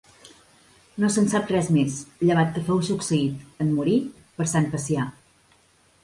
No se'n sap res més, llevat que fou succeït, en morir, per Sant Pacià.